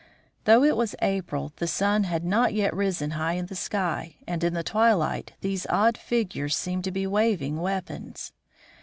Though it was April, the sun had not yet risen high in the sky, and in the twilight these odd figures seemed to be waving weapons.